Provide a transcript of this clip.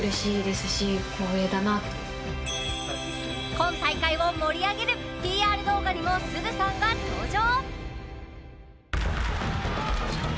今大会を盛り上げるＰＲ動画にもすずさんが登場！